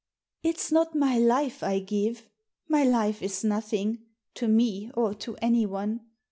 " "It's not my life I give. My life is nothing — to me, or to anyone.